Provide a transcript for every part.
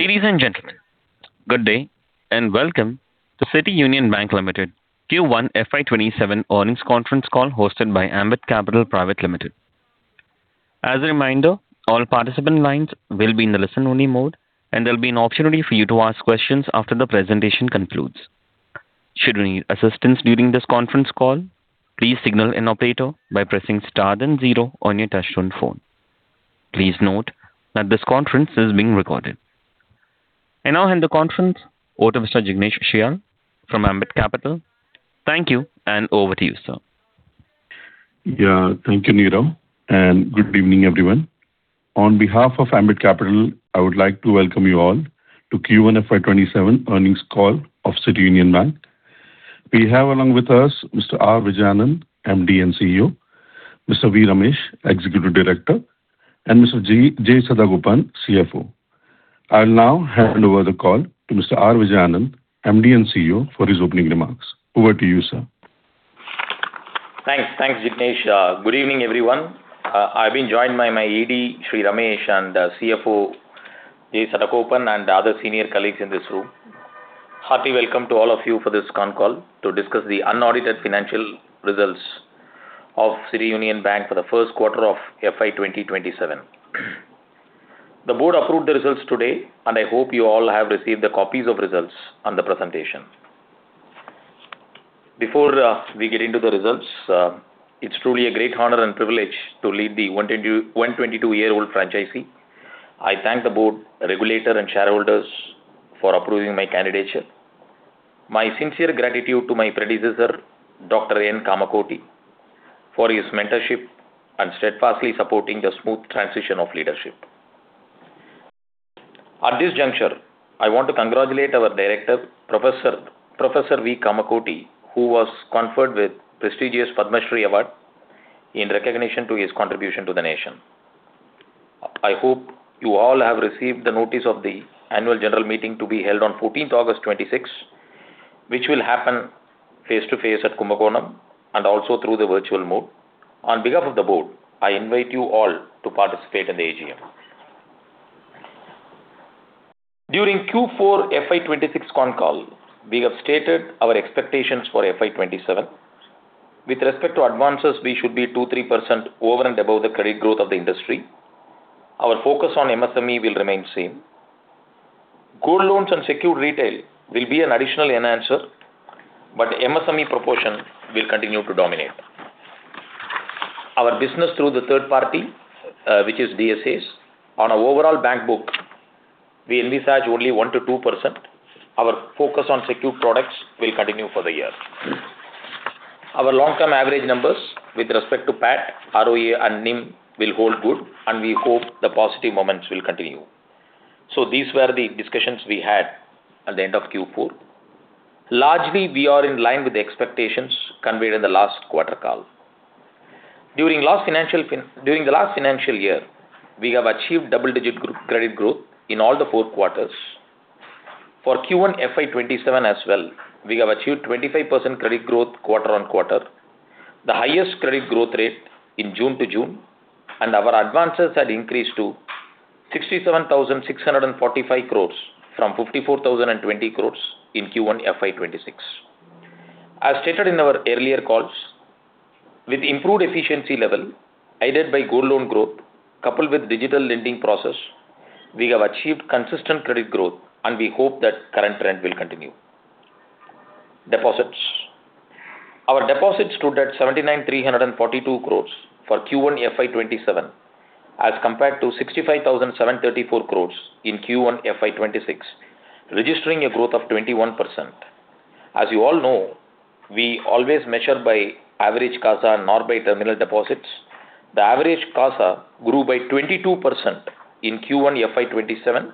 Ladies and gentlemen, good day, and welcome to City Union Bank Limited Q1 FY 2027 earnings conference call, hosted by Ambit Capital Private Limited. As a reminder, all participant lines will be in the listen-only mode, and there will be an opportunity for you to ask questions after the presentation concludes. Should you need assistance during this conference call, please signal an operator by pressing star then zero on your touchtone phone. Please note that this conference is being recorded. I now hand the conference over to Mr. Jignesh Shial from Ambit Capital. Thank you, and over to you, sir. Thank you, Neeraj, and good evening, everyone. On behalf of Ambit Capital, I would like to welcome you all to Q1 FY 2027 Earnings Call of City Union Bank. We have along with us Mr. R. Vijay Anandh, MD and CEO, Mr. V. Ramesh, Executive Director, and Mr. J. Sadagopan, CFO. I will now hand over the call to Mr. R. Vijay Anandh, MD and CEO, for his opening remarks. Over to you, sir. Thanks, Jignesh. Good evening, everyone. I have been joined by my ED, Shri Ramesh, and CFO, J. Sadagopan, and the other senior colleagues in this room. Hearty welcome to all of you for this con call to discuss the unaudited financial results of City Union Bank for the first quarter of FY 2027. The board approved the results today, and I hope you all have received the copies of results and the presentation. Before we get into the results, it is truly a great honor and privilege to lead the 122-year-old franchise. I thank the board, regulator, and shareholders for approving my candidature. My sincere gratitude to my predecessor, Dr. N. Kamakodi, for his mentorship and steadfastly supporting the smooth transition of leadership. At this juncture, I want to congratulate our director, Professor V. Kamakoti, who was conferred with prestigious Padma Shri Award in recognition to his contribution to the nation. I hope you all have received the notice of the annual general meeting to be held on 14th August 2026, which will happen face-to-face at Kumbakonam and also through the virtual mode. On behalf of the board, I invite you all to participate in the AGM. During Q4 FY 2026 con call, we have stated our expectations for FY 2027. With respect to advances, we should be 2%-3% over and above the credit growth of the industry. Our focus on MSME will remain same. Gold loans and secured retail will be an additional enhancer, but MSME proportion will continue to dominate. Our business through the third party, which is DSAs on our overall bank book, we envisage only 1%-2%. Our focus on secure products will continue for the year. Our long-term average numbers with respect to PAT, ROE, and NIM will hold good, and we hope the positive momentum will continue. These were the discussions we had at the end of Q4. Largely, we are in line with the expectations conveyed in the last quarter call. During the last financial year, we have achieved double-digit credit growth in all the four quarters. For Q1 FY 2027 as well, we have achieved 25% credit growth quarter-on-quarter, the highest credit growth rate in June to June, and our advances had increased to 67,645 crore from 54,020 crore in Q1 FY 2026. As stated in our earlier calls, with improved efficiency level, either by gold loan growth coupled with digital lending process, we have achieved consistent credit growth, and we hope that current trend will continue. Deposits. Our deposits stood at 79,342 crore for Q1 FY 2027 as compared to 65,734 crore in Q1 FY 2026, registering a growth of 21%. As you all know, we always measure by average CASA not by terminal deposits. The average CASA grew by 22% in Q1 FY 2027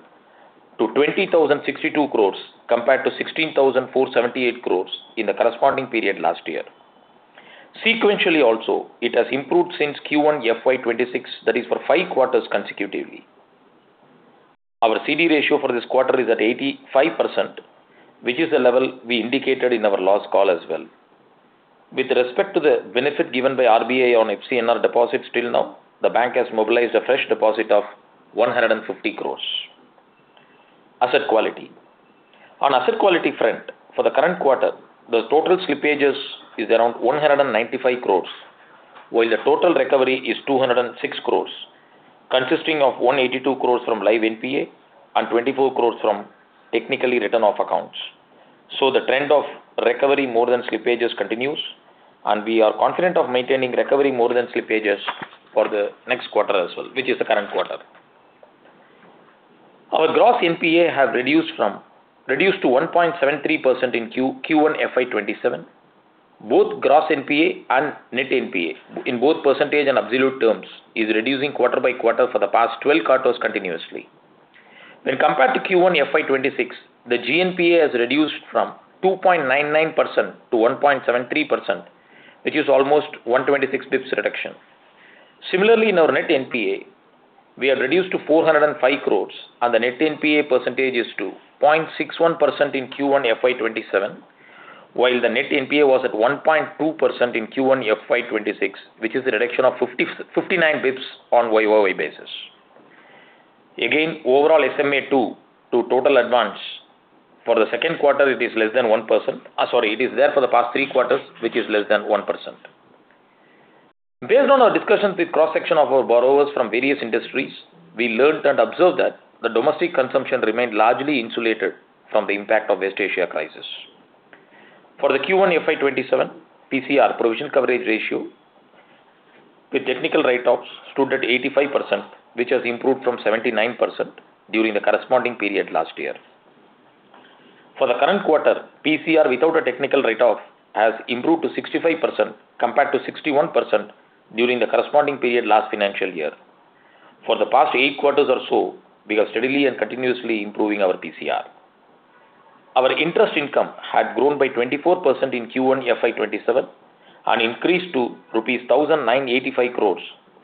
to 20,062 crore compared to 16,478 crore in the corresponding period last year. Sequentially also, it has improved since Q1 FY 2026, that is for five quarters consecutively. Our CD ratio for this quarter is at 85%, which is the level we indicated in our last call as well. With respect to the benefit given by RBI on FCNR deposits till now, the bank has mobilized a fresh deposit of 150 crore. Asset quality. On asset quality front, for the current quarter, the total slippages is around 195 crore, while the total recovery is 206 crore, consisting of 182 crore from live NPA and 24 crore from technically written-off accounts. The trend of recovery more than slippages continues, and we are confident of maintaining recovery more than slippages for the next quarter as well, which is the current quarter. Our gross NPA have reduced to 1.73% in Q1 FY 2027. Both gross NPA and net NPA in both percentage and absolute terms is reducing quarter by quarter for the past 12 quarters continuously. When compared to Q1 FY 2026, the GNPA has reduced from 2.99% to 1.73%, which is almost 126 basis points reduction. Similarly, in our net NPA, we have reduced to 405 crore, and the net NPA percentage is 0.61% in Q1 FY 2027. While the net NPA was at 1.2% in Q1 FY 2026, which is a reduction of 59 basis points on year-over-year basis. Overall SMA to total advance for the second quarter, it is there for the past three quarters, which is less than 1%. Based on our discussions with cross-section of our borrowers from various industries, we learned and observed that the domestic consumption remained largely insulated from the impact of West Asia crisis. For the Q1 FY 2027, PCR, provision coverage ratio with technical write-offs stood at 85%, which has improved from 79% during the corresponding period last year. For the current quarter, PCR without a technical write-off has improved to 65% compared to 61% during the corresponding period last financial year. For the past eight quarters or so, we are steadily and continuously improving our PCR. Our interest income had grown by 24% in Q1 FY 2027 and increased to rupees 1,985 crore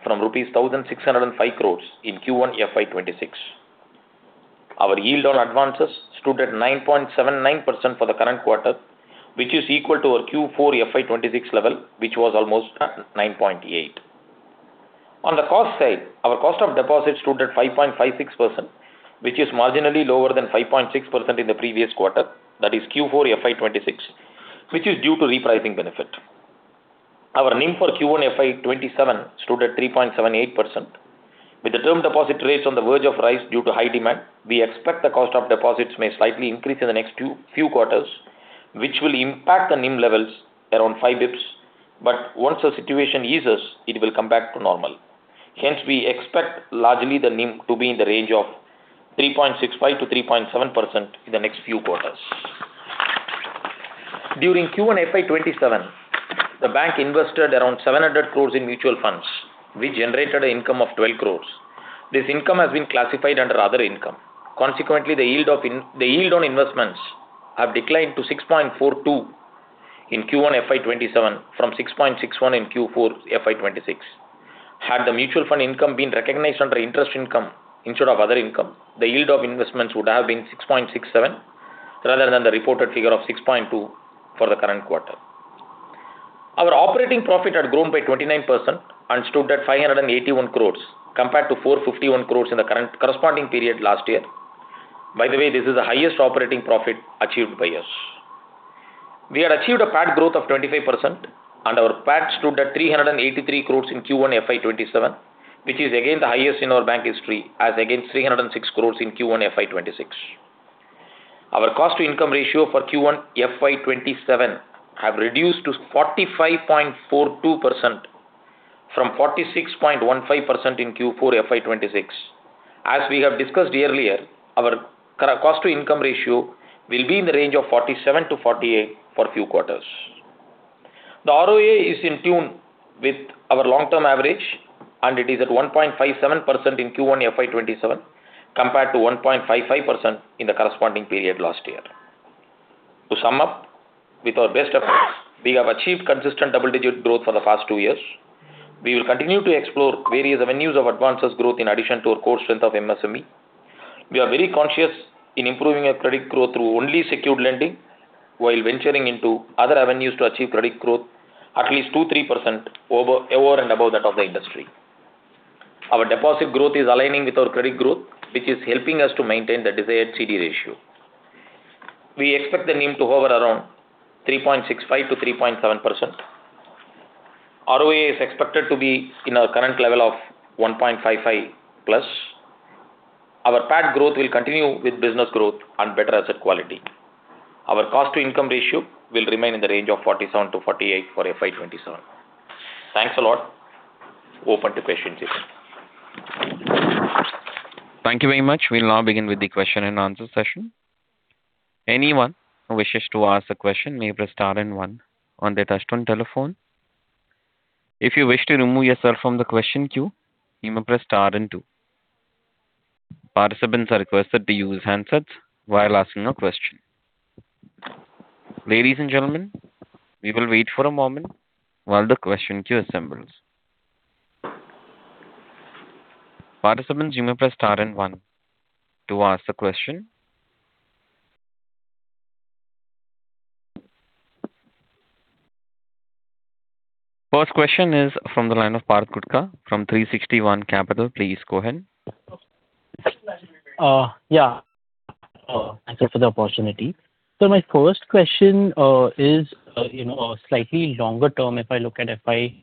from rupees 1,605 crore in Q1 FY 2026. Our yield on advances stood at 9.79% for the current quarter, which is equal to our Q4 FY 2026 level, which was almost 9.8%. On the cost side, our cost of deposit stood at 5.56%, which is marginally lower than 5.6% in the previous quarter, that is Q4 FY 2026, which is due to repricing benefit. Our NIM for Q1 FY 2027 stood at 3.78%. With the term deposit rates on the verge of rise due to high demand, we expect the cost of deposits may slightly increase in the next few quarters, which will impact the NIM levels around 5 basis points, but once the situation eases, it will come back to normal. We expect largely the NIM to be in the range of 3.65%-3.7% in the next few quarters. During Q1 FY 2027, the bank invested around 700 crore in mutual funds, which generated an income of 12 crore. This income has been classified under other income. Consequently, the yield on investments have declined to 6.42% in Q1 FY 2027 from 6.61% in Q4 FY 2026. Had the mutual fund income been recognized under interest income instead of other income, the yield of investments would have been 6.67% rather than the reported figure of 6.42% for the current quarter. Our operating profit had grown by 29% and stood at 581 crore compared to 451 crore in the corresponding period last year. By the way, this is the highest operating profit achieved by us. We had achieved a PAT growth of 25%, and our PAT stood at 383 crore in Q1 FY 2027, which is again the highest in our bank history as against 306 crore in Q1 FY 2026. Our cost-to-income ratio for Q1 FY 2027 have reduced to 45.42% from 46.15% in Q4 FY 2026. As we have discussed earlier, our cost-to-income ratio will be in the range of 47%-48% for a few quarters. The ROA is in tune with our long-term average, and it is at 1.57% in Q1 FY 2027 compared to 1.55% in the corresponding period last year. To sum up, with our best efforts, we have achieved consistent double-digit growth for the past two years. We will continue to explore various avenues of advances growth in addition to our core strength of MSME. We are very conscious in improving our credit growth through only secured lending while venturing into other avenues to achieve credit growth at least 2%-3% over and above that of the industry. Our deposit growth is aligning with our credit growth, which is helping us to maintain the desired CD ratio. We expect the NIM to hover around 3.65%-3.7%. ROA is expected to be in our current level of 1.55%+. Our PAT growth will continue with business growth and better asset quality. Our cost-to-income ratio will remain in the range of 47%-48% for FY 2027. Thanks a lot. Open to questions if any. Thank you very much. We'll now begin with the question and answer session. Anyone who wishes to ask a question may press star and one on their touch-tone telephone. If you wish to remove yourself from the question queue, you may press star and two. Participants are requested to use handsets while asking a question. Ladies and gentlemen, we will wait for a moment while the question queue assembles. Participants, you may press star and one to ask the question. First question is from the line of Parth Kothari from 360 ONE Capital. Please go ahead. Yeah. Thank you for the opportunity. My first question is slightly longer term, if I look at FY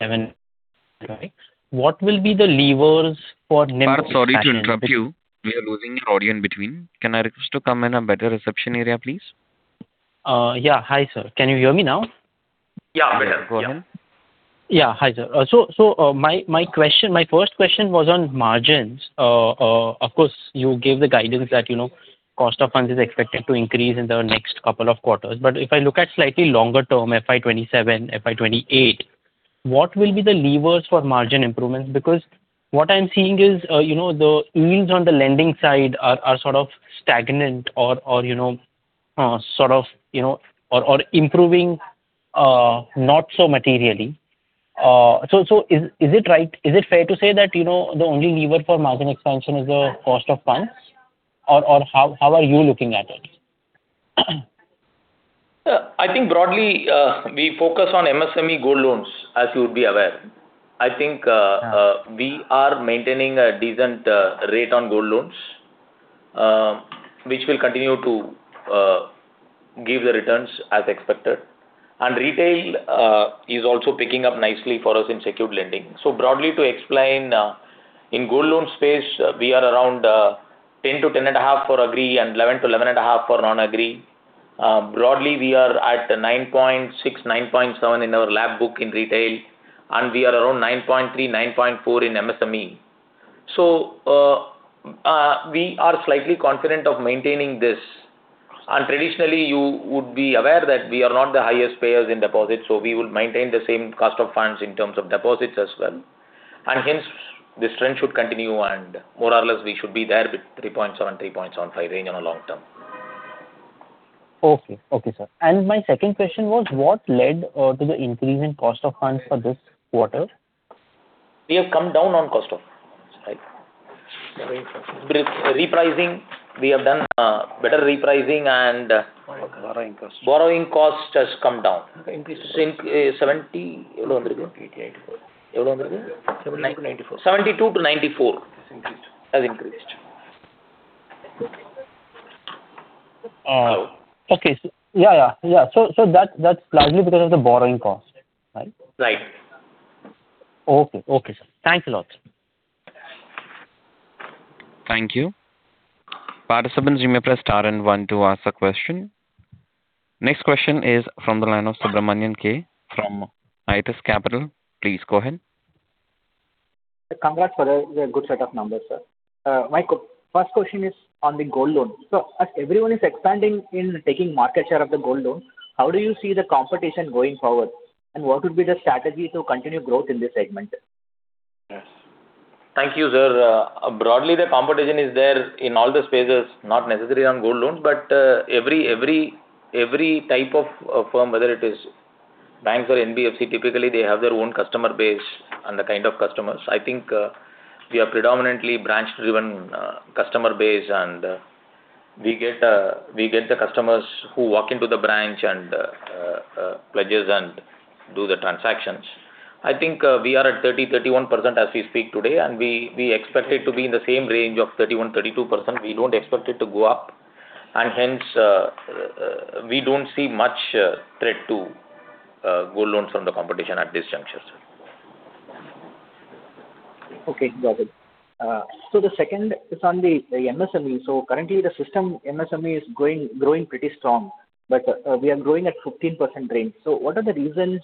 2027. What will be the levers for. Parth, sorry to interrupt you. We are losing your audio in between. Can I request to come in a better reception area, please? Yeah. Hi, sir. Can you hear me now? Yeah, better. Go ahead. Yeah. Hi, sir. My first question was on margins. Of course, you gave the guidance that cost of funds is expected to increase in the next couple of quarters. If I look at slightly longer term, FY 2027, FY 2028, what will be the levers for margin improvements? Because what I'm seeing is the yields on the lending side are sort of stagnant or improving not so materially. Is it fair to say that the only lever for margin expansion is the cost of funds? Or how are you looking at it? I think broadly, we focus on MSME gold loans, as you would be aware. I think we are maintaining a decent rate on gold loans, which will continue to give the returns as expected. Retail is also picking up nicely for us in secured lending. Broadly, to explain, in gold loan space, we are around 10%-10.5% for Agri and 11%-11.5% for non-Agri. Broadly, we are at 9.6%-9.7% in our loan book in retail, and we are around 9.3%-9.4% in MSME. We are slightly confident of maintaining this. Traditionally, you would be aware that we are not the highest payers in deposits, so we would maintain the same cost of funds in terms of deposits as well. Hence, this trend should continue and more or less, we should be there with 3.7%-3.75% range in the long term. Okay, sir. My second question was what led to the increase in cost of funds for this quarter? We have come down on cost of funds. Right. Repricing. We have done better repricing. Borrowing cost. Borrowing cost has come down. Increase. 70, 80, 84 crore. INR 72 crore to INR 94 crore. INR 72 crore to INR 94 crore. Has increased. Okay. That's largely because of the borrowing cost, right? Right. Okay, sir. Thanks a lot. Thank you. Participants, you may press star and one to ask a question. Next question is from the line of Subramanian K. from IIFL Capital. Please go ahead. Congrats for the good set of numbers, sir. My first question is on the gold loan. As everyone is expanding in taking market share of the gold loan, how do you see the competition going forward, and what would be the strategy to continue growth in this segment? Yes. Thank you, sir. Broadly, the competition is there in all the spaces, not necessarily on gold loans. Every type of firm, whether it is banks or NBFC, typically they have their own customer base and the kind of customers. I think we are predominantly branch-driven customer base, and we get the customers who walk into the branch and pledges and do the transactions. I think we are at 30%-31% as we speak today, and we expect it to be in the same range of 31%-32%. We don't expect it to go up, and hence, we don't see much threat to gold loans from the competition at this juncture, sir. The second is on the MSME. Currently the system MSME is growing pretty strong, but we are growing at 15% range. What are the reasons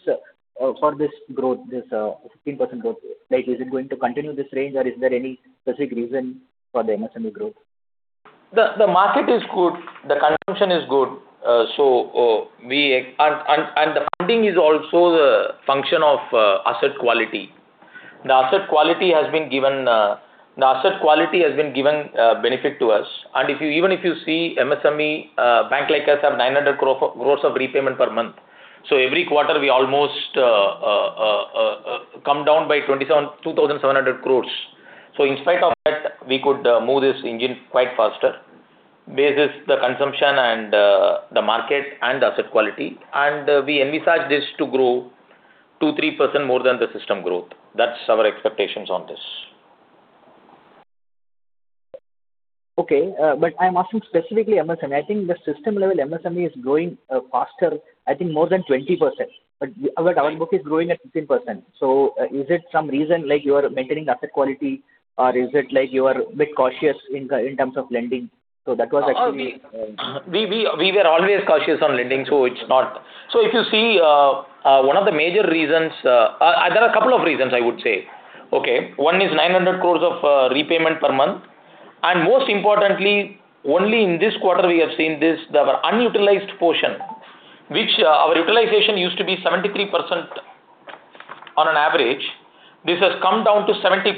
for this 15% growth? Is it going to continue this range or is there any specific reason for the MSME growth? The market is good, the consumption is good. The funding is also the function of asset quality. The asset quality has been given benefit to us. Even if you see MSME bank like us have 900 crores of repayment per month. Every quarter we almost come down by 2,700 crores. In spite of that, we could move this engine quite faster. Basis the consumption and the market and the asset quality, we envisage this to grow 2%-3% more than the system growth. That's our expectations on this. Okay. I'm asking specifically MSME. I think the system-level MSME is growing faster, I think more than 20%, but our book is growing at 15%. Is it some reason like you are maintaining asset quality or is it like you are a bit cautious in terms of lending? That was actually. We were always cautious on lending. There are a couple of reasons, I would say. Okay. One is 900 crores of repayment per month. Most importantly, only in this quarter we have seen this, our unutilized portion, which our utilization used to be 73% on an average, this has come down to 70%.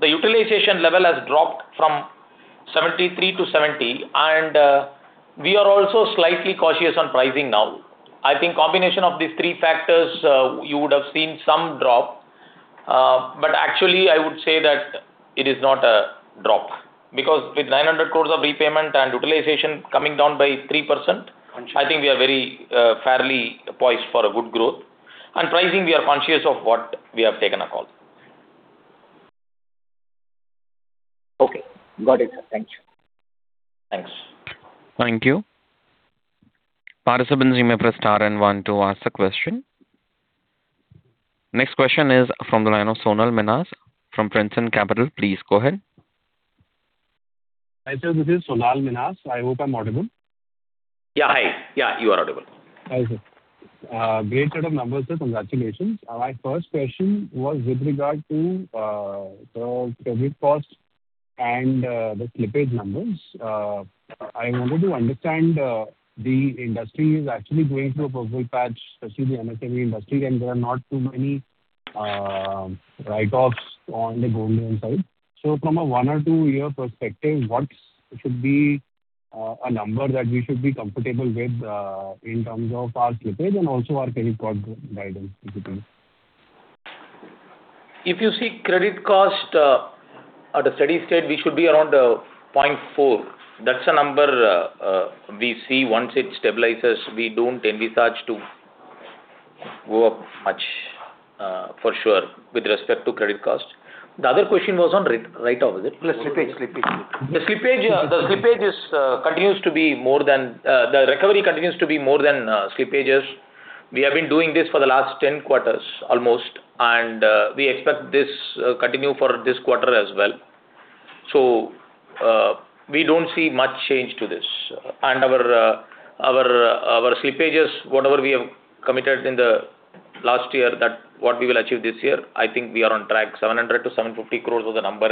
The utilization level has dropped from 73% to 70%, and we are also slightly cautious on pricing now. I think combination of these three factors, you would have seen some drop. Actually, I would say that it is not a drop because with 900 crores of repayment and utilization coming down by 3%, I think we are very fairly poised for a good growth. On pricing, we are conscious of what we have taken a call. Okay, got it, sir. Thank you. Thanks. Thank you. Participants, you may press star and one to ask a question. Next question is from the line of Sonal Mehta from Princeton Capital. Please go ahead. Hi, sir, this is Sonal Mehta. I hope I'm audible. Yeah, hi. Yeah, you are audible. Hi, sir. Great set of numbers, sir. Congratulations. My first question was with regard to the credit cost and the slippage numbers. I wanted to understand the industry is actually going through a purple patch, especially the MSME industry, and there are not too many write-offs on the gold loan side. From a one or two year perspective, what should be a number that we should be comfortable with in terms of our slippage and also our credit cost guidance, if you please. If you see credit cost at a steady state, we should be around 0.4%. That's a number we see once it stabilizes. We don't envisage to go up much, for sure, with respect to credit cost. The other question was on write-off, is it? No, slippage. The recovery continues to be more than slippages. We have been doing this for the last 10 quarters almost, and we expect this continue for this quarter as well. We don't see much change to this. Our slippages, whatever we have committed in the last year, what we will achieve this year, I think we are on track. 700 crores-750 crores was the number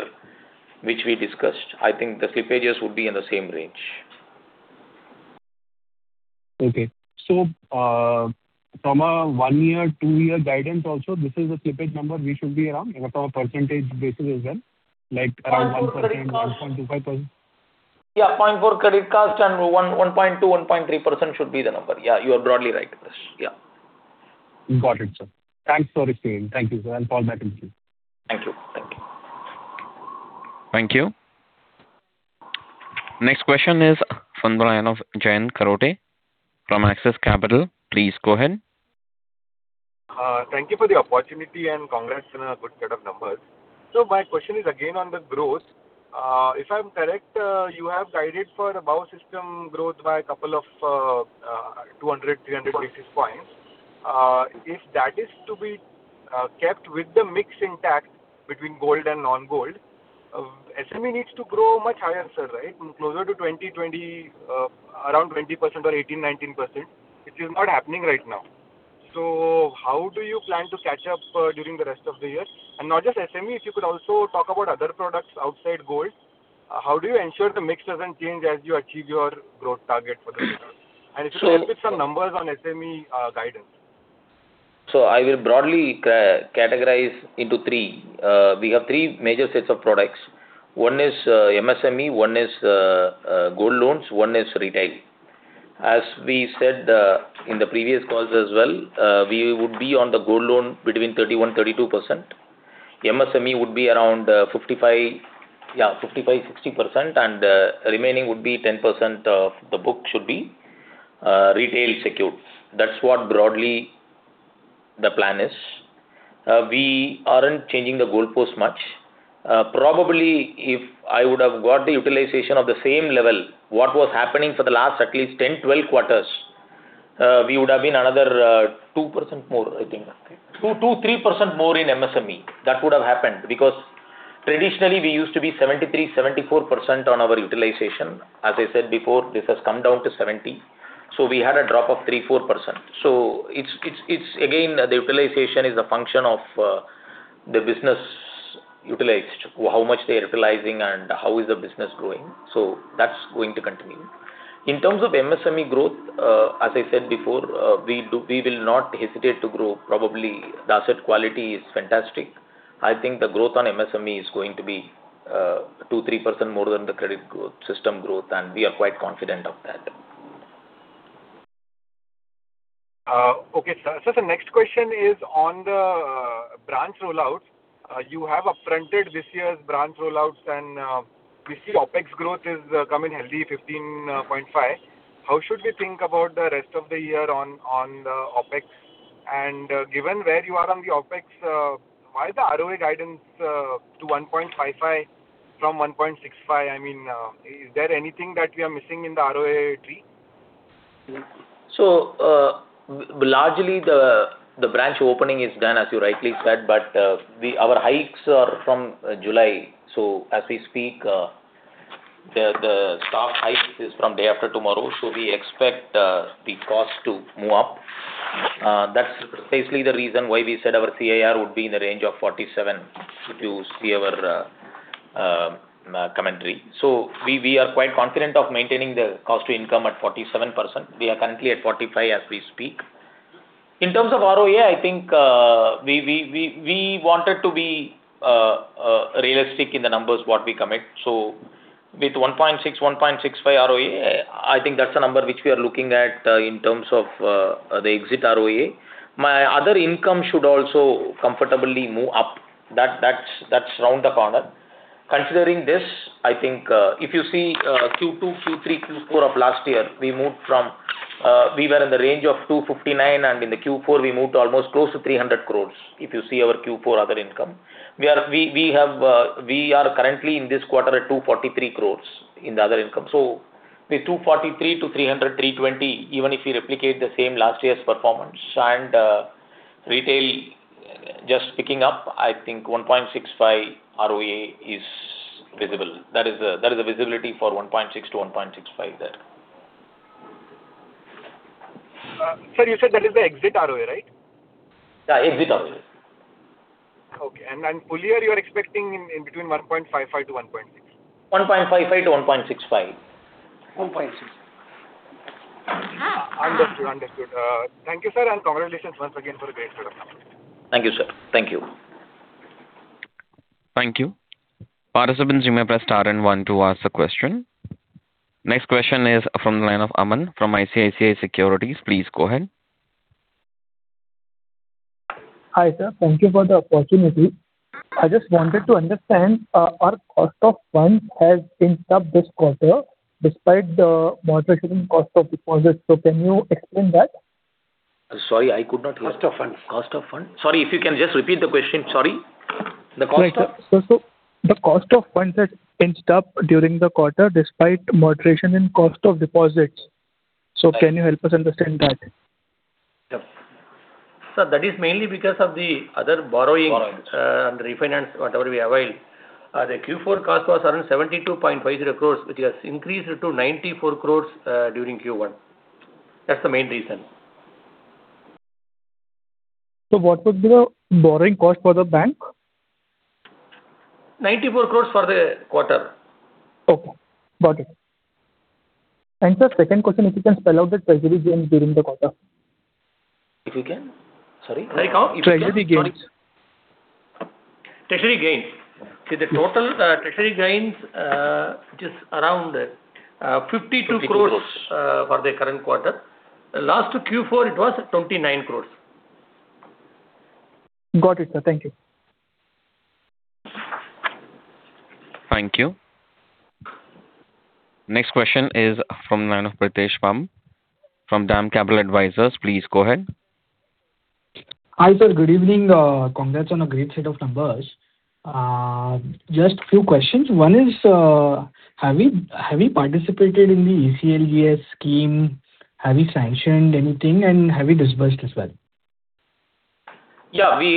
which we discussed. I think the slippages would be in the same range. Okay. From a one year, two year guidance also, this is the slippage number we should be around at a percentage basis as well, like around 1% 0.4% credit cost 1.25%. Yeah, 0.4% credit cost and 1.2%-1.3% should be the number. Yeah, you are broadly right. Yeah. Got it, sir. Thanks for explaining. Thank you, sir. I'll call back in queue. Thank you. Thank you. Next question is from the line of Jayant Kharote from Axis Capital. Please go ahead. Thank you for the opportunity, congrats on a good set of numbers. My question is again on the growth. If I'm correct, you have guided for above system growth by a couple of 200-300 basis points. If that is to be kept with the mix intact between gold and non-gold, SME needs to grow much higher, sir, right? Closer to around 20% or 18%-19%, which is not happening right now. How do you plan to catch up during the rest of the year? Not just SME, if you could also talk about other products outside gold. How do you ensure the mix doesn't change as you achieve your growth target for the year? If you can help with some numbers on SME guidance. I will broadly categorize into three. We have three major sets of products. One is MSME, one is gold loans, one is retail. As we said in the previous calls as well, we would be on the gold loan between 31%-32%. MSME would be around 55%-60%, and the remaining would be 10% of the book should be retail secured. That's what broadly the plan is. We aren't changing the goalpost much. Probably if I would have got the utilization of the same level, what was happening for the last at least 10-12 quarters, we would have been another 2% more, I think. 2%-3% more in MSME. That would have happened because traditionally, we used to be 73%-74% on our utilization. As I said before, this has come down to 70%. We had a drop of 3%-4%. Again, the utilization is a function of the business utilized, how much they're utilizing and how is the business growing. That's going to continue. In terms of MSME growth, as I said before, we will not hesitate to grow. Probably the asset quality is fantastic. I think the growth on MSME is going to be 2%-3% more than the credit system growth, and we are quite confident of that. Okay. Sir, the next question is on the branch rollout. You have upfronted this year's branch rollouts, and we see OpEx growth has come in healthy, 15.5%. How should we think about the rest of the year on the OpEx? Given where you are on the OpEx, why the ROA guidance to 1.55% from 1.65%? Is there anything that we are missing in the ROA tree? Largely, the branch opening is done as you rightly said, but our hikes are from July. As we speak, the staff hike is from day after tomorrow, we expect the cost to move up. That's basically the reason why we said our CIR would be in the range of 47%, if you see our commentary. We are quite confident of maintaining the cost to income at 47%. We are currently at 45% as we speak. In terms of ROA, I think we wanted to be realistic in the numbers what we commit. With 1.6%-1.65% ROA, I think that's the number which we are looking at in terms of the exit ROA. My other income should also comfortably move up. That's round the corner. Considering this, I think if you see Q2, Q3, Q4 of last year, we were in the range of 259 crore, and in the Q4, we moved to almost close to 300 crore, if you see our Q4 other income. We are currently in this quarter at 243 crore in the other income. With 243 crore to 300 crore, 320 crore, even if we replicate the same last year's performance and retail just picking up, I think 1.65% ROA is visible. There is a visibility for 1.6%-1.65% there. Sir, you said that is the exit ROA, right? Yeah, exit ROA. Okay. full year, you are expecting in between 1.55%-1.6%. 1.55%-1.65%. 1.65%. Understood. Thank you, sir, and congratulations once again for a great set of numbers. Thank you, sir. Thank you. Thank you. Participants, you may press star and one to ask a question. Next question is from the line of Aman from ICICI Securities. Please go ahead. Hi, sir. Thank you for the opportunity. I just wanted to understand, our cost of funds has inched up this quarter despite the moderation cost of deposits. Can you explain that? Sorry, I could not hear. Cost of funds. Cost of funds. Sorry, if you can just repeat the question. Sorry. The cost of? Right. Sir, the cost of funds has inched up during the quarter despite moderation in cost of deposits. Can you help us understand that? Yep. Sir, that is mainly because of the other borrowing- Borrowings. - refinance whatever we avail. The Q4 cost was around 72.50 crore, which has increased to 94 crore during Q1. That's the main reason. What was the borrowing cost for the bank? 94 crore for the quarter. Okay, got it. Sir, second question, if you can spell out the treasury gains during the quarter. If we can? Sorry. Like how. Treasury gains. Sorry. Treasury gains. See, the total treasury gains, which is around 52 crores- 52 crores. - for the current quarter. Last Q4, it was 29 crores. Got it, sir. Thank you. Thank you. Next question is from the line of Pritesh Bumb from DAM Capital Advisors. Please go ahead. Hi, sir. Good evening. Congrats on a great set of numbers. Just a few questions. One is, have we participated in the ECLGS scheme? Have we sanctioned anything, and have we disbursed as well? Yeah, we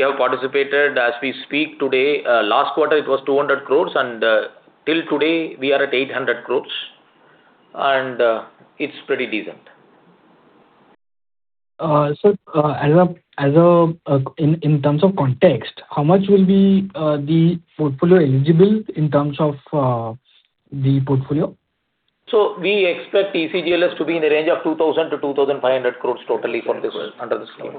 have participated as we speak today. Last quarter it was 200 crore, and till today we are at 800 crore, and it's pretty decent. Sir, in terms of context, how much will be the portfolio eligible in terms of the portfolio? We expect ECLGS to be in the range of 2,000 crore-2,500 crore totally under the scheme.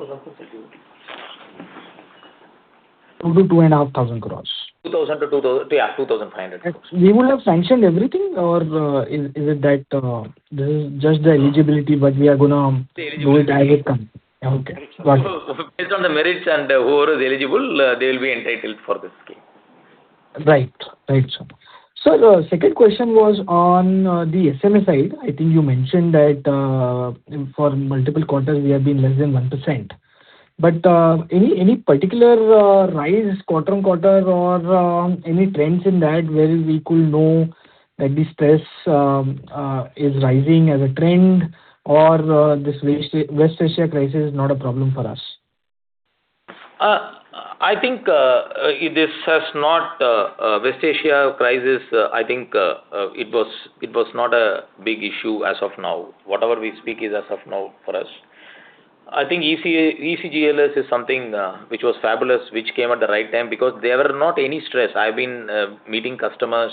Total 2,500 crore. 2,000 crore-2,500 crore. We would have sanctioned everything or is it that this is just the eligibility but we are going to do it as it comes? It's the eligibility. Okay, got it. Based on the merits and whoever is eligible, they will be entitled for this scheme. Right, sir. Sir, the second question was on the SMA side. I think you mentioned that for multiple quarters you have been less than 1%. Any particular rise quarter-on-quarter or any trends in that where we could know that the stress is rising as a trend or this West Asia crisis is not a problem for us? West Asia crisis, I think it was not a big issue as of now. Whatever we speak is as of now for us. ECLGS is something which was fabulous, which came at the right time because there were not any stress. I've been meeting customers.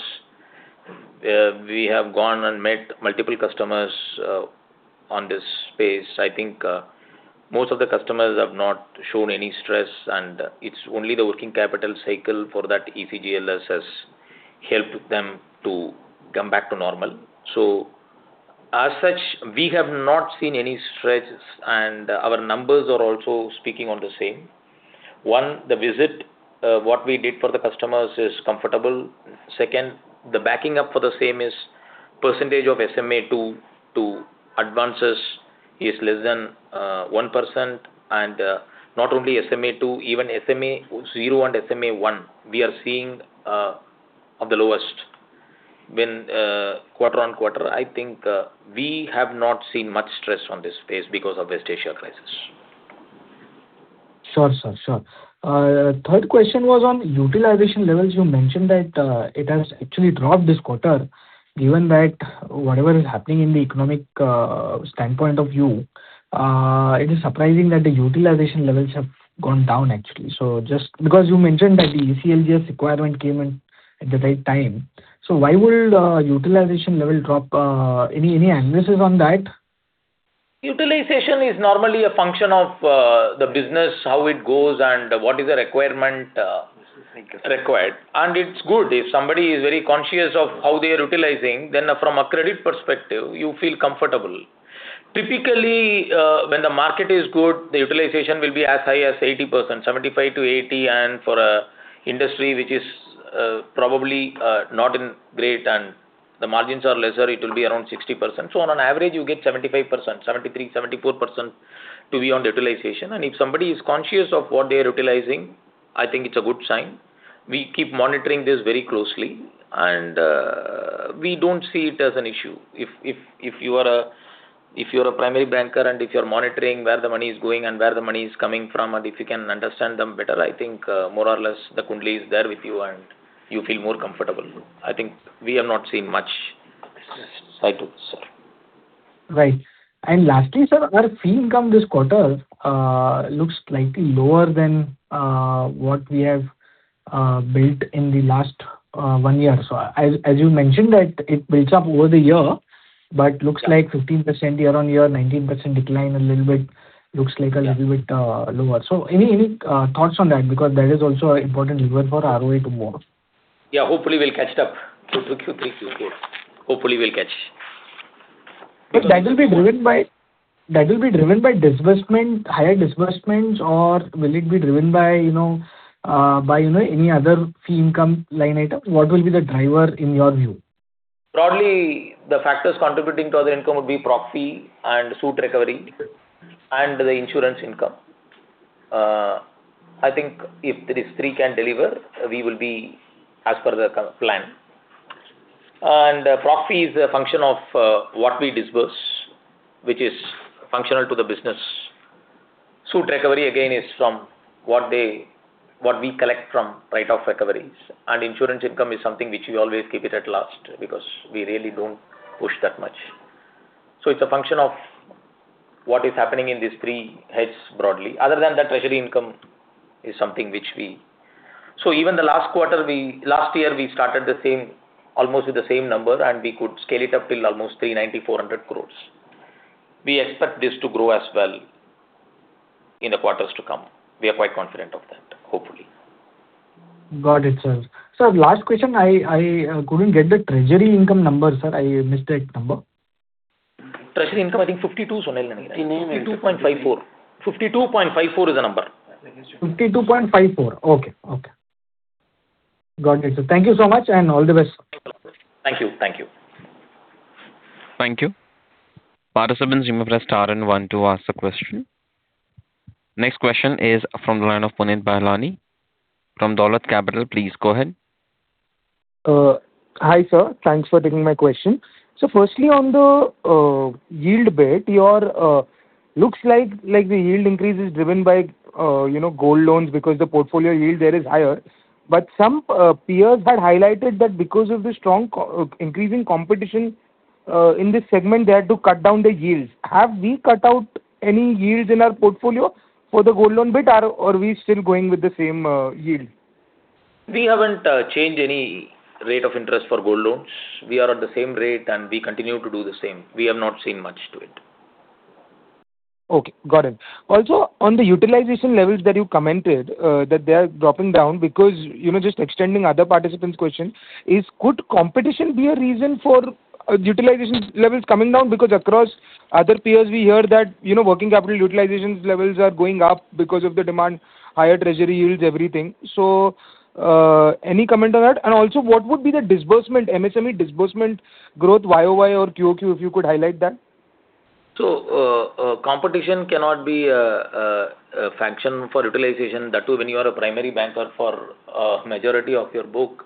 We have gone and met multiple customers on this space. Most of the customers have not shown any stress, and it's only the working capital cycle for that ECLGS has helped them to come back to normal. As such, we have not seen any stress, and our numbers are also speaking on the same. One, the visit, what we did for the customers is comfortable. Second, the backing up for the same is percentage of SMA to advances is less than 1%. Not only SMA-2, even SMA-0 and SMA-1, we are seeing are the lowest when quarter-on-quarter. We have not seen much stress on this space because of West Asia crisis. Sure, sir. Third question was on utilization levels. You mentioned that it has actually dropped this quarter, given that whatever is happening in the economic standpoint of view, it is surprising that the utilization levels have gone down actually. You mentioned that the ECLGS requirement came in at the right time, why would utilization level drop? Any analyses on that? Utilization is normally a function of the business, how it goes, and what is the requirement required. It's good if somebody is very conscious of how they are utilizing, then from a credit perspective, you feel comfortable. Typically, when the market is good, the utilization will be as high as 80%, 75%-80%. For an industry which is probably not great and the margins are lesser, it will be around 60%. On an average, you get 75%, 73%-74% to be on utilization. If somebody is conscious of what they are utilizing, it's a good sign. We keep monitoring this very closely, and we don't see it as an issue. If you are a primary banker and if you are monitoring where the money is going and where the money is coming from, and if you can understand them better, I think more or less the kundli is there with you and you feel more comfortable. I think we have not seen much cycles, sir. Right. Lastly, sir, our fee income this quarter looks slightly lower than what we have built in the last one year. As you mentioned that it builds up over the year, but looks like 15% year-on-year, 19% decline, a little bit, looks like a little bit lower. Any thoughts on that? Because that is also an important lever for ROE to move. Yeah. Hopefully we will catch it up Q3, Q4. Hopefully we will catch. That will be driven by disbursement, higher disbursements, or will it be driven by any other fee income line item? What will be the driver in your view? Broadly, the factors contributing to other income would be prop fee and suit recovery and the insurance income. I think if these three can deliver, we will be as per the plan. Prop fee is a function of what we disburse, which is functional to the business. Suit recovery, again, is from what we collect from write-off recoveries, and insurance income is something which we always keep it at last because we really don't push that much. It's a function of what is happening in these three heads broadly, other than that treasury income is something which we even the last quarter, last year, we started almost with the same number, and we could scale it up till almost 390 crore-400 crore. We expect this to grow as well in the quarters to come. We are quite confident of that, hopefully. Got it, sir. Sir, last question. I couldn't get the treasury income number, sir. I missed that number. Treasury income, I think 52 crore 52 crore. 52.54 crore is the number. 52.54 crore. Okay. Got it, sir. Thank you so much, and all the best. Thank you. Thank you. Participants may press star and one to ask the question. Next question is from the line of Punit Bahlani from Dolat Capital. Please go ahead. Hi, sir. Thanks for taking my question. Firstly, on the yield bit, looks like the yield increase is driven by gold loans because the portfolio yield there is higher. Some peers had highlighted that because of the strong increasing competition in this segment, they had to cut down the yields. Have we cut out any yields in our portfolio for the gold loan bit, or are we still going with the same yield? We haven't changed any rate of interest for gold loans. We are at the same rate, and we continue to do the same. We have not seen much to it. Okay, got it. On the utilization levels that you commented, that they are dropping down because, just extending other participant's question is, could competition be a reason for utilization levels coming down? Across other peers, we hear that working capital utilization levels are going up because of the demand, higher treasury yields, everything. Any comment on that? What would be the disbursement, MSME disbursement growth YoY or QoQ, if you could highlight that? Competition cannot be a factor for utilization. That too, when you are a primary banker for a majority of your book.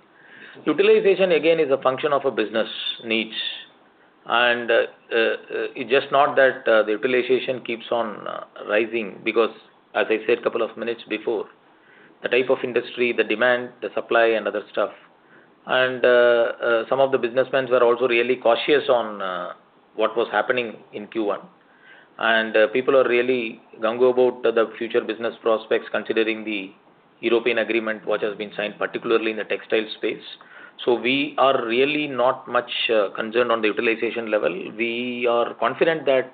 Utilization again is a function of a business needs. It's just not that the utilization keeps on rising because as I said couple of minutes before, the type of industry, the demand, the supply, and other stuff. Some of the businessmen were also really cautious on what was happening in Q1. People are really gung ho about the future business prospects considering the European agreement, what has been signed, particularly in the textile space. We are really not much concerned on the utilization level. We are confident that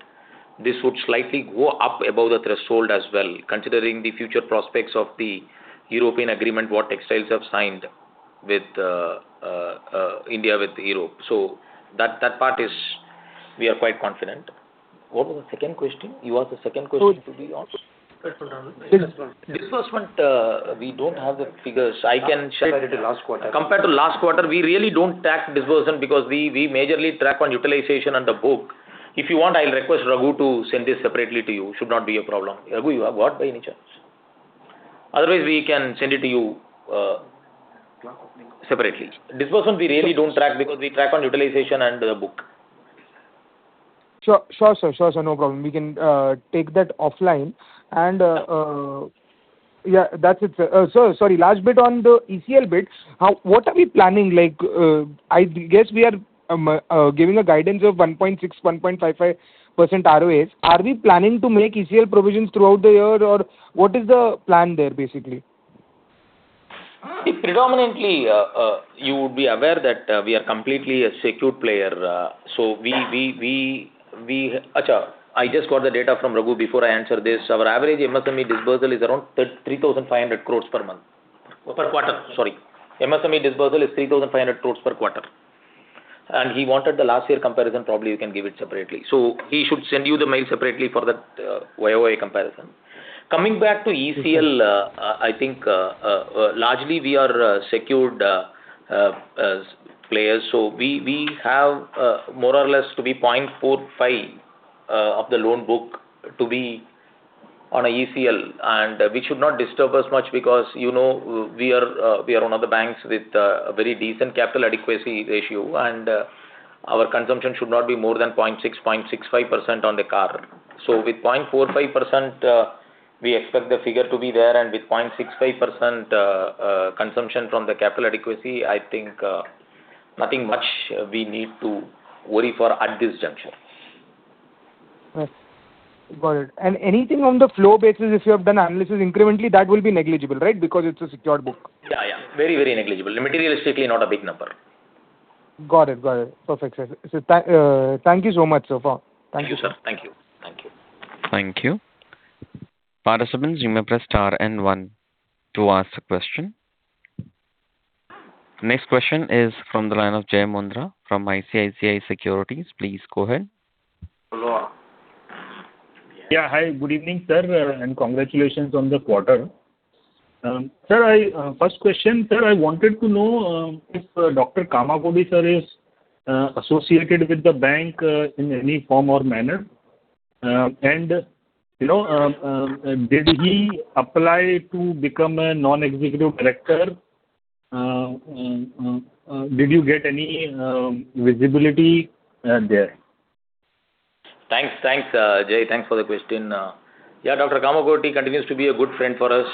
this would slightly go up above the threshold as well, considering the future prospects of the European agreement, what textiles have signed India with Europe. That part is, we are quite confident. What was the second question? You asked a second question to me also. Disbursement. Disbursement, we don't have the figures. Compared to last quarter. Compared to last quarter, we really don't track disbursement because we majorly track on utilization and the book. If you want, I'll request Ragu to send this separately to you. Should not be a problem. Ragu, you have got, by any chance? Otherwise, we can send it to you separately. Disbursement we really don't track because we track on utilization and the book. Sure, sir. No problem. We can take that offline. Yeah, that's it, sir. Sir, sorry, last bit on the ECL bit. What are we planning? I guess we are giving a guidance of 1.6%, 1.55% ROAs. Are we planning to make ECL provisions throughout the year, or what is the plan there basically? Predominantly, you would be aware that we are completely a secured player. I just got the data from Raghu before I answer this. Our average MSME disbursement is around 3,500 crore per month. Per quarter, sorry. MSME disbursement is 3,500 crore per quarter. He wanted the last year comparison. Probably, we can give it separately. He should send you the mail separately for that YoY comparison. Coming back to ECL, I think largely we are a secured player. We have more or less to be 0.45% of the loan book to be on ECL, and we should not disturb as much because we are one of the banks with a very decent capital adequacy ratio, and our consumption should not be more than 0.6%-0.65% on the CAR. With 0.45%, we expect the figure to be there, and with 0.65% consumption from the capital adequacy, I think nothing much we need to worry for at this juncture. Yes. Got it. Anything on the flow basis, if you have done analysis incrementally, that will be negligible, right? Because it's a secured book. Yeah. Very negligible. Materialistically, not a big number. Got it. Perfect. Thank you so much so far. Thank you, sir. Thank you. Thank you. Participants, you may press star and one to ask a question. Next question is from the line of Jai Mundhra from ICICI Securities. Please go ahead. Hello. Yeah, hi. Good evening, sir, and congratulations on the quarter. First question, sir, I wanted to know if Dr. Kamakodi, sir, is associated with the bank in any form or manner. Did he apply to become a non-executive director? Did you get any visibility there? Thanks, Jai. Thanks for the question. Yeah, Dr. Kamakodi continues to be a good friend for us.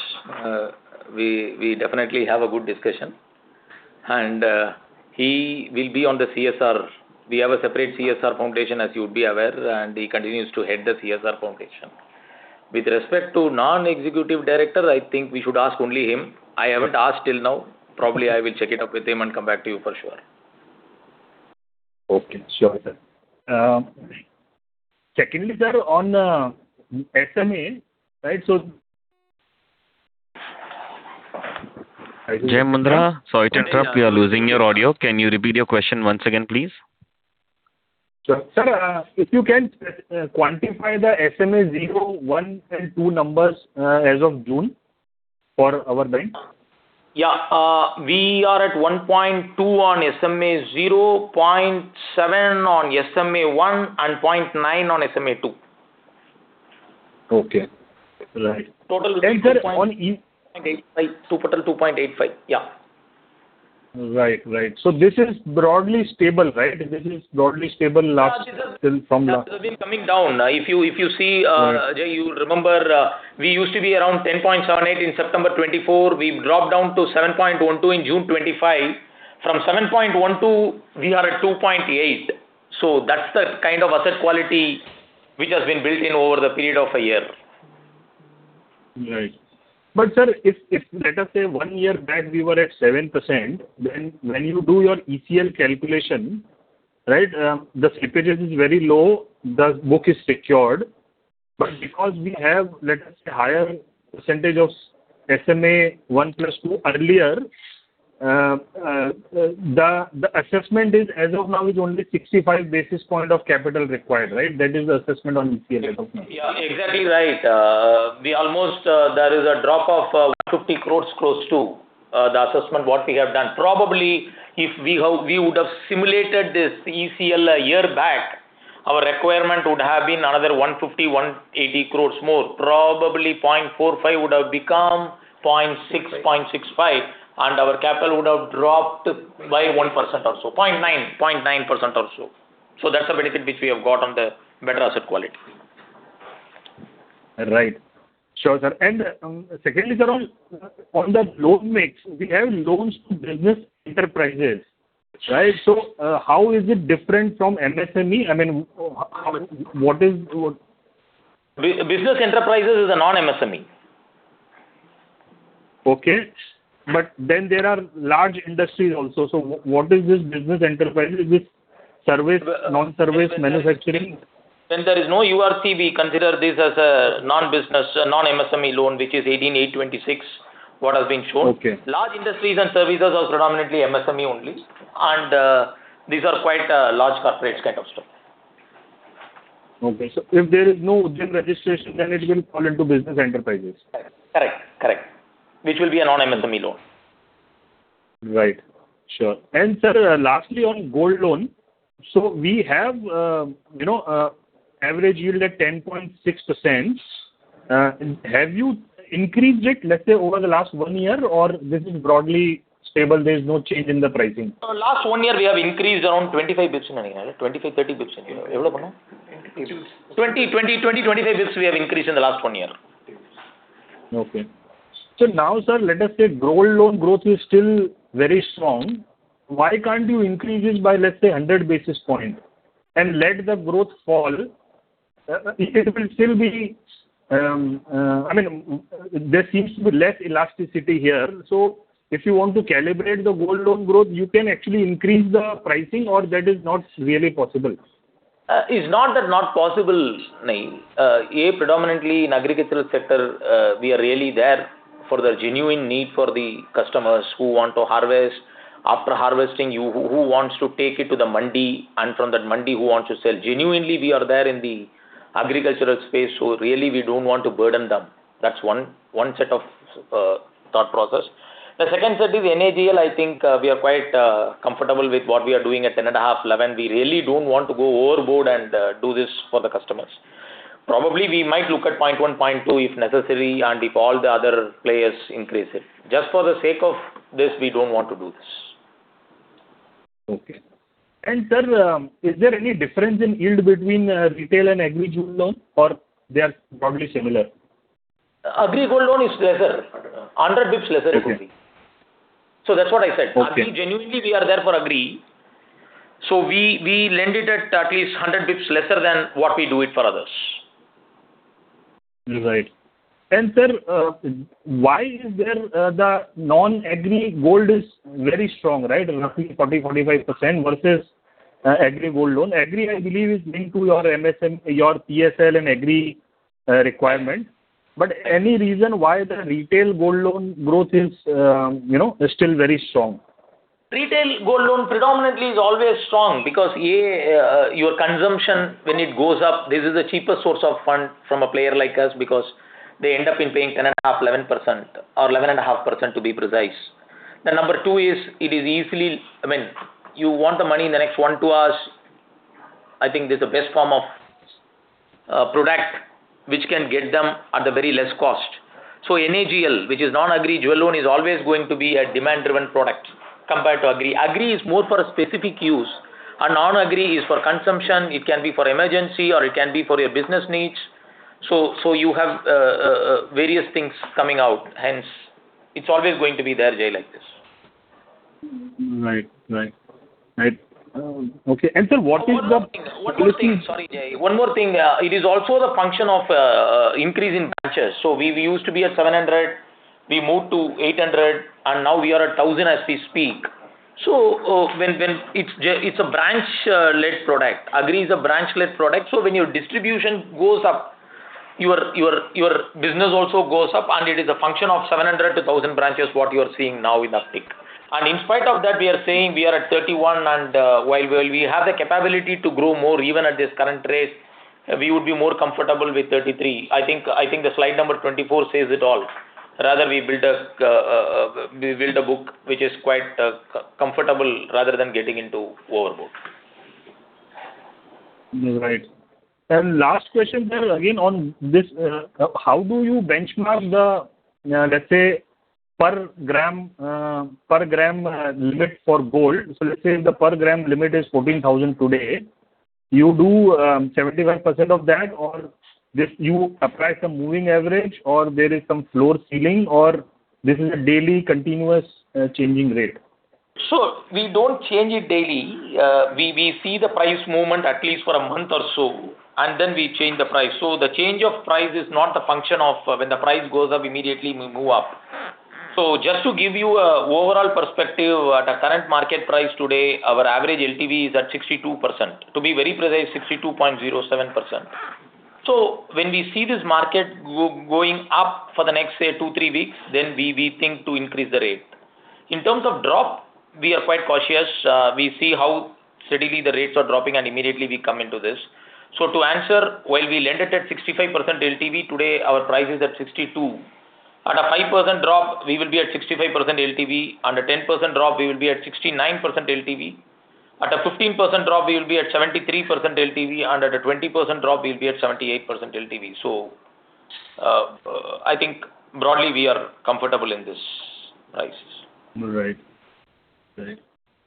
We definitely have a good discussion. He will be on the CSR. We have a separate CSR foundation, as you'd be aware, and he continues to head the CSR foundation. With respect to non-executive director, I think we should ask only him. I haven't asked till now. Probably I will check it up with him and come back to you for sure. Okay, sure, sir. Secondly, sir, on SMA, right? Jai Mundhra, sorry to interrupt. We are losing your audio. Can you repeat your question once again, please? Sure. Sir, if you can quantify the SMA-0, SMA-1, and SMA-2 numbers as of June for our bank. Yeah. We are at 1.2% on SMA-0. 0.7% on SMA-1, and 0.9% on SMA-2. Okay. Right. Total 2.85%. Yeah. Right. This is broadly stable, right? This is broadly stable from last. This has been coming down. If you see, Jai, you remember, we used to be around 10.78% in September 2024. We dropped down to 7.12% in June 2025. From 7.12%, we are at 2.8%. That's the kind of asset quality which has been built in over the period of a year. Right. Sir, if let us say one year back we were at 7%, then when you do your ECL calculation, the slippage is very low, the book is secured. Because we have, let us say, higher percentage of SMA 1+2 earlier, the assessment as of now is only 65 basis points of capital required, right? That is the assessment on ECL as of now. Exactly right. There is a drop of 150 crore, close to the assessment, what we have done. Probably, if we would have simulated this ECL a year back, our requirement would have been another 150 crore-180 crore more. Probably 0.45% would have become 0.6%-0.65%, and our capital would have dropped by 1% or so. 0.9% or so. That's the benefit which we have got on the better asset quality. Right. Sure, sir. Secondly, sir, on the loan mix, we have loans to business enterprises, right? How is it different from MSME? I mean, Business enterprises is a non-MSME. Okay. There are large industries also. What is this business enterprise? Is this non-service manufacturing? When there is no URC, we consider this as a non-MSME loan, which is 18,826, what has been shown. Okay. Large industries and services are predominantly MSME only. These are quite large corporates kind of stuff. Okay. If there is no Udyam Registration Certificate, then it will fall into business enterprises. Correct. Which will be a non-MSME loan. Right. Sure. Sir, lastly on gold loan. We have average yield at 10.6%. Have you increased it, let's say, over the last one year, or this is broadly stable, there is no change in the pricing? Sir, last one year, we have increased around 25 basis points, I think. 25-30 basis points. How much did we do? 20-25 basis points we have increased in the last one year. Now, sir, let us say gold loan growth is still very strong. Why can't you increase it by, let's say, 100 basis points and let the growth fall? There seems to be less elasticity here. If you want to calibrate the gold loan growth, you can actually increase the pricing, or that is not really possible? It's not that not possible. Predominantly in agricultural sector, we are really there for the genuine need for the customers who want to harvest. After harvesting, who wants to take it to the mandi, and from that mandi, who wants to sell. Genuinely, we are there in the agricultural space, so really we don't want to burden them. That's one set of thought process. The second set is NAJL, I think we are quite comfortable with what we are doing at 10.5%-11%. We really don't want to go overboard and do this for the customers. Probably we might look at 0.1%-0.2%, if necessary, and if all the other players increase it. Just for the sake of this, we don't want to do this. Sir, is there any difference in yield between retail and Agri gold loan, or they are probably similar? Agri gold loan is lesser. 100 basis points lesser it will be. That's what I said. Okay. Genuinely, we are there for Agri. We lend it at least 100 basis points lesser than what we do it for others. Right. Sir, why is there the non-Agri gold is very strong, roughly 40%-45% versus Agri gold loan. Agri, I believe is linked to your MSME, your PSL and Agri requirement. Any reason why the retail gold loan growth is still very strong? Retail gold loan predominantly is always strong because, A, your consumption when it goes up, this is the cheapest source of fund from a player like us because they end up in paying 10.5%-11%, or 11.5% to be precise. Number two is it is easily, you want the money in the next one to two hours, I think this is the best form of product which can get them at a very less cost. NAJL, which is non-Agri jewel loan, is always going to be a demand-driven product compared to Agri. Agri is more for a specific use. A non-Agri is for consumption, it can be for emergency, or it can be for your business needs. You have various things coming out, hence it's always going to be there, Jai, like this. Right. Okay. Sir, what is the One more thing. Sorry, Jai. One more thing. It is also the function of increase in branches. We used to be at 700, we moved to 800, now we are at 1,000 as we speak. It's a branch-led product. Agri is a branch-led product. When your distribution goes up, your business also goes up. It is a function of 700-1,000 branches, what you are seeing now in Astik. In spite of that, we are saying we are at 31% and while we have the capability to grow more even at this current rate, we would be more comfortable with 33%. I think the slide number 24 says it all. Rather, we build a book which is quite comfortable rather than getting into overboard. Right. Last question, sir. Again, on this, how do you benchmark the, let's say, per gram limit for gold? Let's say if the per gram limit is 14,000 today, you do 75% of that or you apply some moving average or there is some floor ceiling or this is a daily continuous changing rate? We don't change it daily. We see the price movement at least for a month or so. Then we change the price. The change of price is not a function of when the price goes up, immediately we move up. Just to give you a overall perspective, at the current market price today, our average LTV is at 62%. To be very precise, 62.07%. When we see this market going up for the next, say, two, three weeks, then we think to increase the rate. In terms of drop, we are quite cautious. We see how steadily the rates are dropping, immediately we come into this. To answer, while we lend it at 65% LTV, today, our price is at 62%. At a 5% drop, we will be at 65% LTV. At a 10% drop, we will be at 69% LTV. At a 15% drop, we will be at 73% LTV. At a 20% drop, we'll be at 78% LTV. I think broadly we are comfortable in these prices. Right.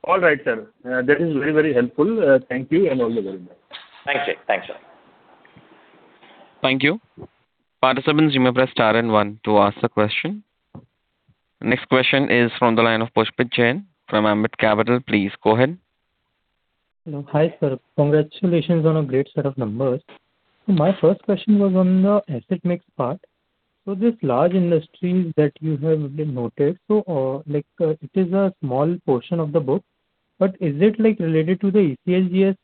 All right, sir. That is very helpful. Thank you, and all the very best. Thanks, Jai. Thank you. Participants may press star and one to ask the question. Next question is from the line of Pushpit Jain from Ambit Capital. Please go ahead. Hello. Hi, sir. Congratulations on a great set of numbers. My first question was on the asset mix part. This large industry that you have noted, it is a small portion of the book, but is it related to the ECLGS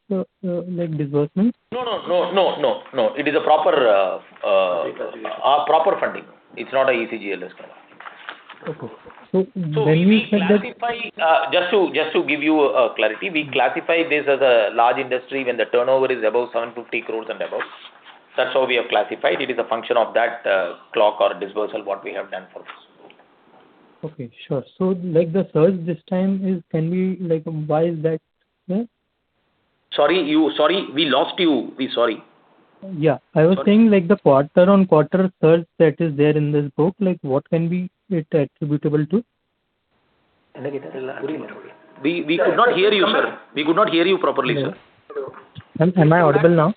disbursements? No, it is a proper funding. It's not a ECLGS. Okay. when we said that. Just to give you clarity, we classify this as a large industry when the turnover is 750 crores and above. That's how we have classified. It is a function of that clock or disbursal, what we have done for this. Okay, sure. like the surge this time is, can we like why is that, sir? Sorry? We lost you. We sorry. Yeah. I was saying like the quarter-on-quarter surge that is there in this book, what can be it attributable to? We could not hear you, sir. We could not hear you properly, sir. Am I audible now?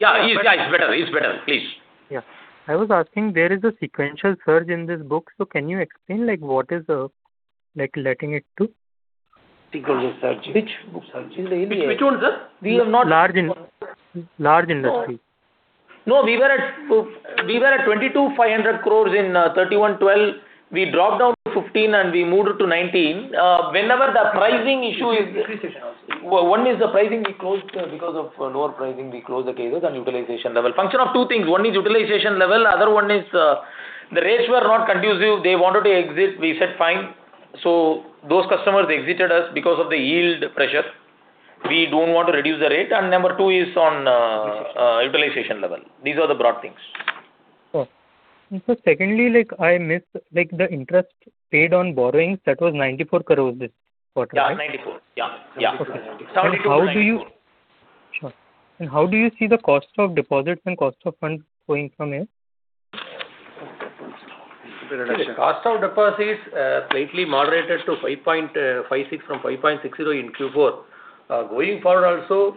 Yeah. It's better. Please. Yeah. I was asking, there is a sequential surge in this book. Can you explain what is letting it? Sequential surge. Which surge? Which one, sir? We have not. Large industry. No, we were at 2,200 crores in 31/12. We dropped down to 15, and we moved to 19. Whenever the pricing issue is. Decrease also. One is the pricing, because of lower pricing, we closed the cases and utilization level. Function of two things. One is utilization level, other one is the rates were not conducive. They wanted to exit. We said, "Fine." Those customers exited us because of the yield pressure. We don't want to reduce the rate. Number two is on utilization level. These are the broad things. Sure. Sir secondly, I missed the interest paid on borrowings. That was 94 crores this quarter, right? Yeah, INR 94 crore. Okay. How do you see the cost of deposits and cost of funds going from here? Cost of deposit is slightly moderated to 5.56% from 5.60% in Q4. Going forward also,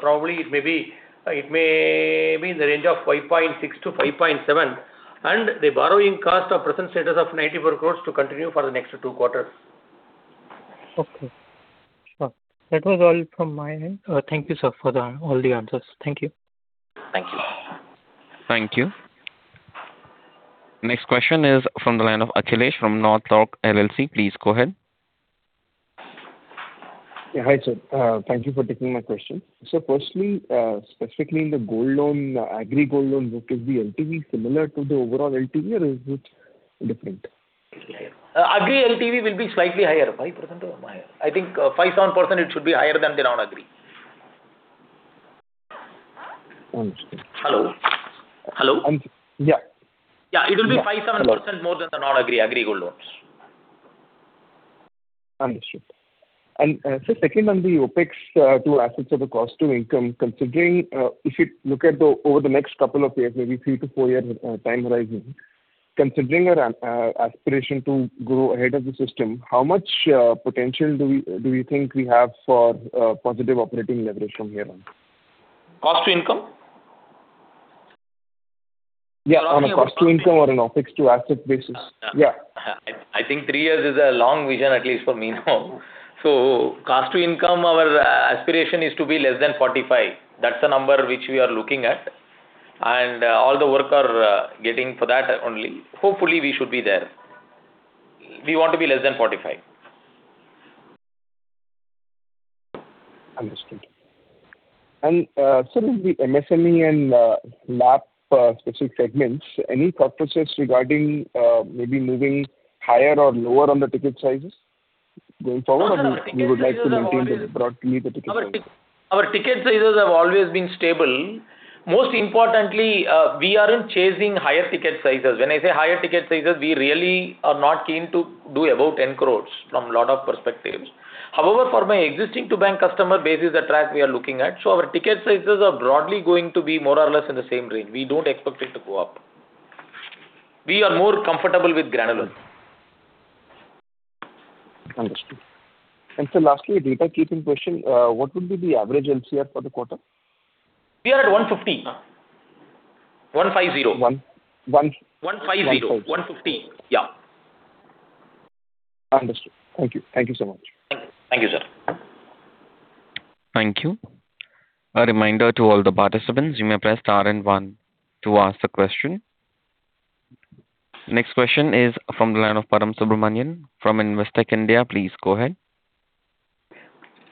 probably it may be in the range of 5.6%-5.7%, and the borrowing cost of present status of 94 crore to continue for the next two quarters. Okay. Sure. That was all from my end. Thank you, sir, for all the answers. Thank you. Thank you. Thank you. Next question is from the line of Akhilesh from North Rock LLC. Please go ahead. Hi, sir. Thank you for taking my question. Sir, firstly, specifically in the gold loan, Agri gold loan, what is the LTV, similar to the overall LTV, or is it different? Agri LTV will be slightly higher, 5% or more higher. I think 5%-7% it should be higher than the non-Agri. Understood. Hello? Yeah. Yeah, it will be 5%-7% more than the non-Agri, Agri gold loans. Understood. Sir, second on the OpEx to assets or the cost to income, considering if you look at over the next couple of years, maybe three to four-year time horizon, considering our aspiration to grow ahead of the system, how much potential do you think we have for positive operating leverage from here on? Cost to income? Yeah, on a cost to income or an OpEx to asset basis. Yeah. I think three years is a long vision, at least for me now. Cost to income, our aspiration is to be less than 45%. That's the number which we are looking at. All the work are getting for that only. Hopefully, we should be there. We want to be less than 45%. Understood. Sir, in the MSME and NAP specific segments, any thought process regarding maybe moving higher or lower on the ticket sizes going forward? We would like to maintain the broadly the ticket size. Our ticket sizes have always been stable. Most importantly, we aren't chasing higher ticket sizes. When I say higher ticket sizes, we really are not keen to do above 10 crore from lot of perspectives. However, for my existing to bank customer base is the track we are looking at, our ticket sizes are broadly going to be more or less in the same range. We don't expect it to go up. We are more comfortable with granular. Understood. Sir, lastly, a data-keeping question, what will be the average MCLR for the quarter? We are at 150 basis points. one five zero. One- One five zero. 150 basis points. Yeah. Understood. Thank you. Thank you so much. Thank you, sir. Thank you. A reminder to all the participants, you may press star and one to ask a question. Next question is from the line of Param Subramanian from Investec India. Please go ahead.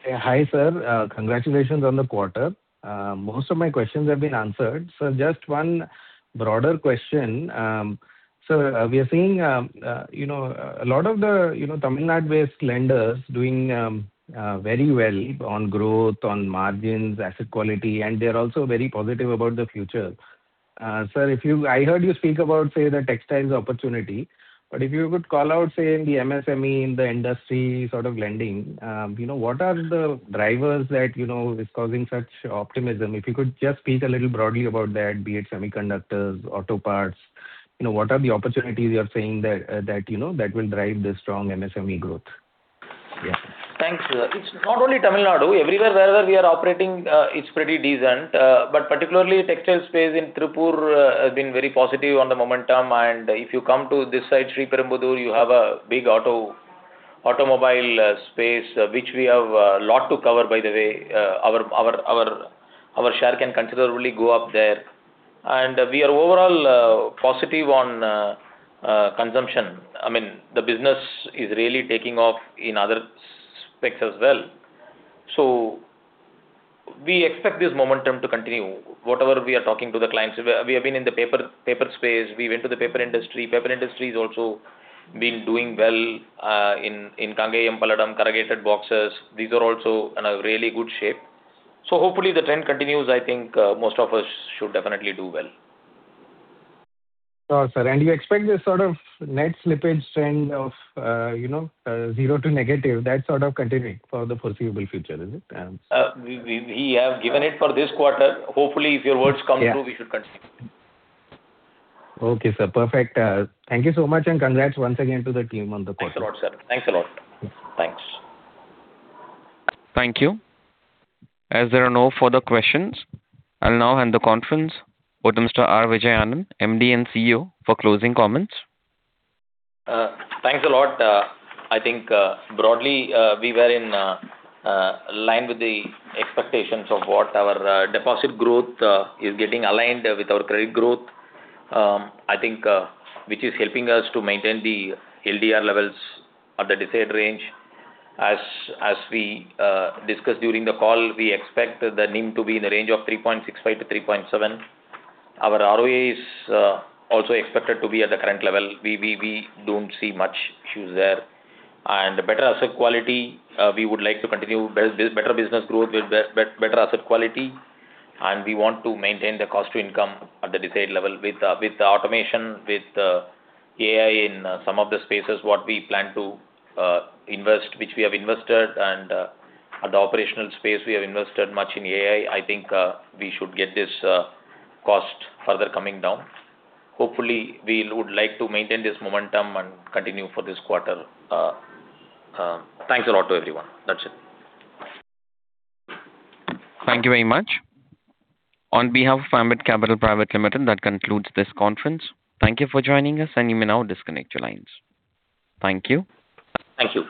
Hi, sir. Congratulations on the quarter. Most of my questions have been answered. Just one broader question. Sir, we are seeing a lot of the Tamil Nadu-based lenders doing very well on growth, on margins, asset quality, and they're also very positive about the future. Sir, I heard you speak about, say, the textiles opportunity, but if you could call out, say, in the MSME, in the industry sort of lending, what are the drivers that is causing such optimism? If you could just speak a little broadly about that, be it semiconductors, auto parts, what are the opportunities you are saying that will drive this strong MSME growth? Yeah. Thanks. It's not only Tamil Nadu. Everywhere wherever we are operating, it's pretty decent. Particularly textiles space in Tiruppur has been very positive on the momentum. If you come to this side, Sriperumbudur, you have a big automobile space, which we have a lot to cover, by the way. Our share can considerably go up there. We are overall positive on consumption. I mean, the business is really taking off in other specs as well. We expect this momentum to continue. Whatever we are talking to the clients, we have been in the paper space, we went to the paper industry. Paper industry has also been doing well in Kangayampalayam Corrugated Boxes. These are also in a really good shape. Hopefully the trend continues. I think most of us should definitely do well. Sure, sir. You expect this sort of net slippage trend of zero to negative, that sort of continuing for the foreseeable future, is it? We have given it for this quarter. Hopefully, if your words come true, we should continue. Okay, sir. Perfect. Thank you so much. Congrats once again to the team on the quarter. Thanks a lot, sir. Thanks a lot. Thanks. Thank you. As there are no further questions, I'll now hand the conference over to Mr. R. Vijay Anandh, MD and CEO, for closing comments. Thanks a lot. I think broadly, we were in line with the expectations of what our deposit growth is getting aligned with our credit growth, I think, which is helping us to maintain the LDR levels at the desired range. As we discussed during the call, we expect the NIM to be in the range of 3.65%-3.7%. Our ROA is also expected to be at the current level. We don't see much issues there. Better asset quality, we would like to continue better business growth with better asset quality, and we want to maintain the cost to income at the desired level with the automation, with AI in some of the spaces, what we plan to invest, which we have invested, and at the operational space, we have invested much in AI. I think we should get this cost further coming down. Hopefully, we would like to maintain this momentum and continue for this quarter. Thanks a lot to everyone. That's it. Thank you very much. On behalf of Ambit Capital Private Limited, that concludes this conference. Thank you for joining us, and you may now disconnect your lines. Thank you. Thank you.